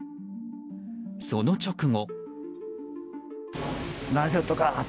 その直後。